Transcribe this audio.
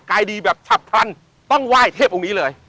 กายดีแบบฉับพลันต้องไหว้เทพองค์นี้เลย